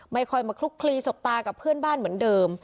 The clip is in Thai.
ไม่ค่อยมาคลุกคลีสบตากับเพื่อนบ้านเหมือนเดิม